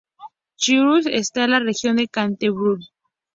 Christchurch está en la región de Canterbury.